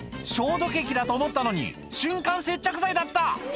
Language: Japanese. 「消毒液だと思ったのに瞬間接着剤だった！」